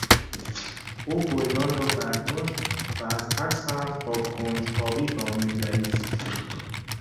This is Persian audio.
او گلدان را برداشت و از هر سمت با کنجکاوی به آن نگریست.